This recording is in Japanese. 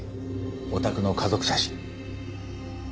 お宅の家族写真。